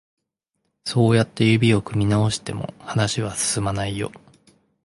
そうやって指を組み直しても、話は進まないよ。